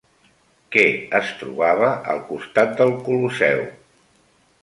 Què es trobava al costat del Colosseu?